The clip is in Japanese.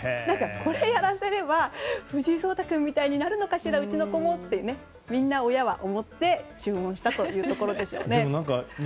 これをやらせれば藤井聡太君みたいにうちの子もなるのかしらと思ってみんな親は思って注文したということでしょうね。